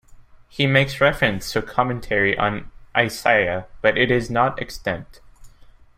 He makes reference to a commentary on Isaiah, but it is not extant.